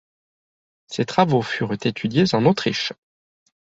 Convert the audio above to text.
Ses travaux furent étudiés en Autriche.